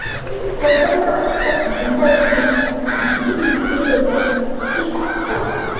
tazama Reuptake Vileo hivi wakati mwingine huitwa viinuahisia kwa